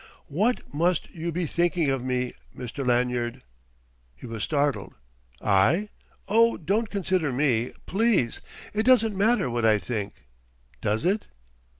"What must you be thinking of me, Mr. Lanyard?" He was startled: "I? Oh, don't consider me, please. It doesn't matter what I think does it?"